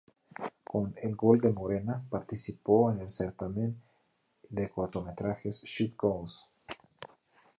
Con "El gol de Morena" participó en el certamen de cortometrajes "Shoot Goals!